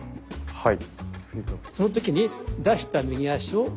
はい。